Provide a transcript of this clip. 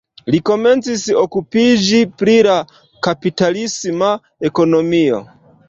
Li komencis okupiĝi pri la kapitalisma ekonomio.